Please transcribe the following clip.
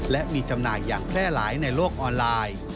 และมีจำหน่ายอย่างแพร่หลายในโลกออนไลน์